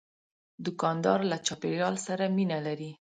دوکاندار له چاپیریال سره مینه لري.